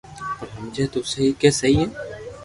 پر ھمجي تو سھي ڪي سھي ھي